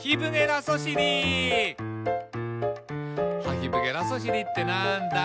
「ハヒブゲラソシリってなんだ？」